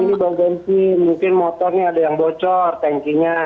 mungkin bau bensin mungkin motornya ada yang bocor tankinya